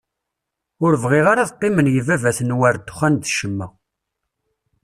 Ur bɣiɣ ara ad qqimen yibabaten war ddexxan d ccemma.